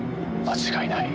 間違いない